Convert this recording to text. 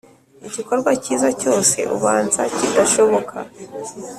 igikorwa cyiza cyose ubanza kidashoboka.